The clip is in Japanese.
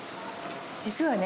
実はね